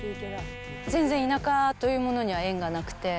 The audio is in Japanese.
全然田舎というものには縁がなくて。